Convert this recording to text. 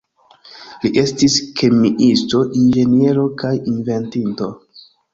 Li estis kemiisto, inĝeniero, kaj inventinto.